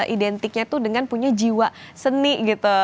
identiknya tuh dengan punya jiwa seni gitu